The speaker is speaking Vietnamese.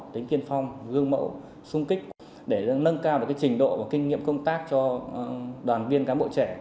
tính tiên phong gương mẫu sung kích để nâng cao được trình độ và kinh nghiệm công tác cho đoàn viên cán bộ trẻ